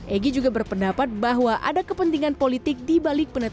egy juga berpendapat bahwa ada kepentingan politik